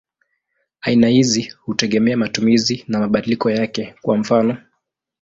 Aina hizi hutegemea matumizi na mabadiliko yake; kwa mfano.